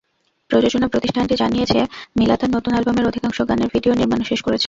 প্রযোজনা প্রতিষ্ঠানটি জানিয়েছে, মিলা তাঁর নতুন অ্যালবামের অধিকাংশ গানের ভিডিও নির্মাণও শেষ করেছেন।